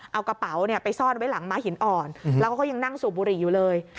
เอากระเป๋าไปซ่อนไว้หลังม้าหินอ่อนแล้วก็เขายังนั่งสูบบุหรี่อยู่เลย